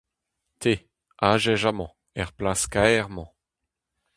Te, azez amañ er plas kaer-mañ.